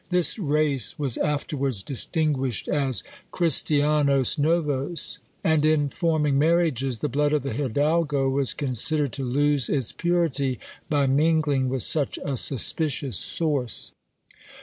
This race was afterwards distinguished as Christianos Novos; and in forming marriages, the blood of the Hidalgo was considered to lose its purity by mingling with such a suspicious source.